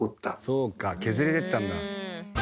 そうか削れてったんだ。